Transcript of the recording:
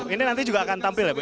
ini nanti juga akan tampil ya bu